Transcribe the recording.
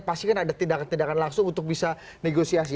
pasti kan ada tindakan tindakan langsung untuk bisa negosiasi